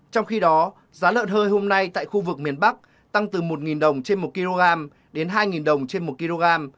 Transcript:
trong khi đó giá lợn hơi hôm nay tại khu vực miền bắc tăng từ một đồng trên một kg đến hai đồng trên một kg